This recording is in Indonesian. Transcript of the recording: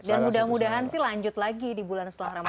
dan mudah mudahan sih lanjut lagi di bulan setelah ramadan ya